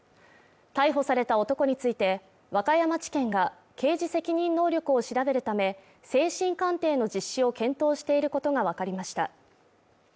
逮捕された男について和歌山地検が刑事責任能力を調べるため、精神鑑定の実施を検討していることがわかりました。